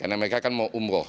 karena mereka kan mau umroh